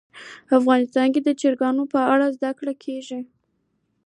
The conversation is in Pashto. افغانستان کې د چرګانو په اړه زده کړه کېږي.